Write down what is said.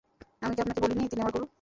আমি কি আপনাকে বলি নি তিনি আমার গুরু?